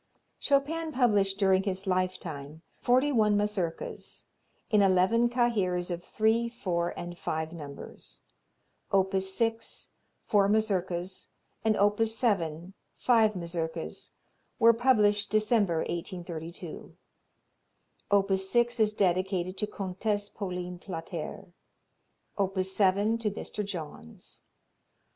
Chopin published during his lifetime forty one Mazurkas in eleven cahiers of three, four and five numbers. Op. 6, four Mazurkas, and op. 7, five Mazurkas, were published December, 1832. Op. 6 is dedicated to Comtesse Pauline Plater; op. 7 to Mr. Johns.